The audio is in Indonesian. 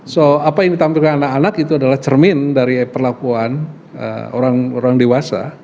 so apa yang ditampilkan anak anak itu adalah cermin dari perlakuan orang dewasa